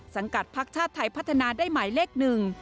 สังกัดพักชาติไทยพัฒนาได้หมายเลขหนึ่ง